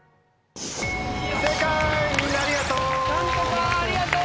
みんなありがとう。